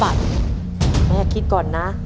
แบบช่วยดูเสลจคือทำทุกอย่างที่ให้น้องอยู่กับแม่ได้นานที่สุด